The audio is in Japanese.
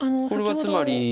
これはつまり。